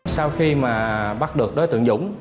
sau khi mà bắt được đối tượng dũng